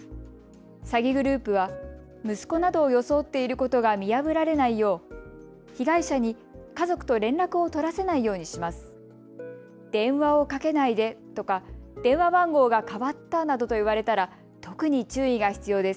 詐欺グループは息子などを装っていることが見破られないよう被害者に家族と連絡を取らせないようにします。